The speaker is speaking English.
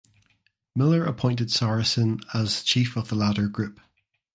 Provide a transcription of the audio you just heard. Miller appointed Saracen as chief of the latter group.